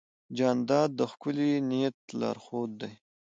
جانداد د ښکلي نیت لارښود دی.